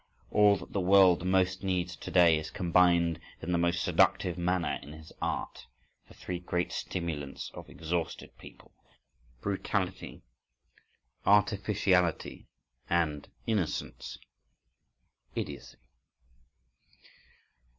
All that the world most needs to day, is combined in the most seductive manner in his art,—the three great stimulants of exhausted people: brutality, artificiality and innocence (idiocy).